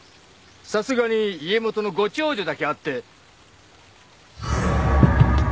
さすがに家元のご長女だけあって。